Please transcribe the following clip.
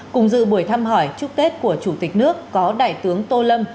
cùng dự buổi thăm hỏi chúc tết của chủ tịch nước có đại tướng tô lâm